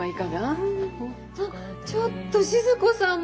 あっちょっと静子さんまで。